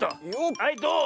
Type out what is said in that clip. はいどう？